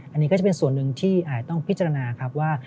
อันนี้ก็จะเป็นส่วนหนึ่งที่อาจต้องพิจารณาครับว่า